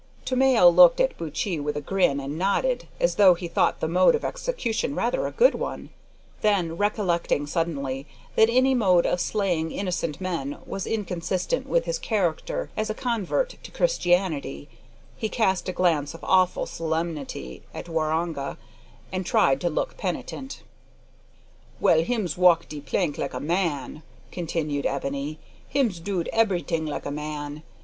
Tomeo looked at Buttchee with a grin and nodded, as though he thought the mode of execution rather a good one; then, recollecting suddenly that any mode of slaying innocent men was inconsistent with his character as a convert to Christianity, he cast a glance of awful solemnity at Waroonga, and tried to look penitent. "Well, hims walk de plank like a man," continued Ebony, "hims dood eberyting like a man.